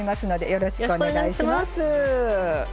よろしくお願いします。